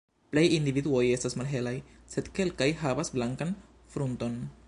Plej individuoj estas malhelaj, sed kelkaj havas blankan frunton.